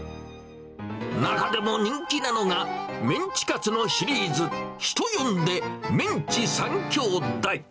中でも人気なのが、メンチカツのシリーズ、人呼んで、メンチ三兄弟。